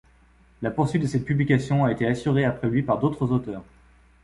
La poursuite de cette publication a été assurée après lui par d'autres auteurs.